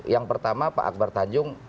yang pertama pak akbar tanjung